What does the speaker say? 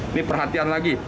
ini perhatian lagi